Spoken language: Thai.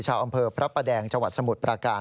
ชาวอำเภอพระประแดงจังหวัดสมุทรประการ